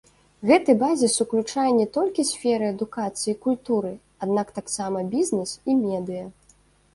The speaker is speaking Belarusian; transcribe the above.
Гэты базіс уключае не толькі сферы адукацыі і культуры, аднак таксама бізнес і медыя.